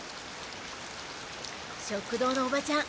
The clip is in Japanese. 食堂のおばちゃん